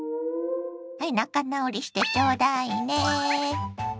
はい仲直りしてちょうだいね。